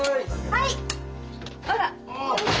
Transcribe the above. はい。